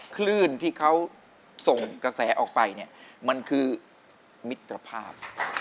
คลื่นที่เขาส่งกระแสออกไปเนี่ยมันคือมิตรภาพ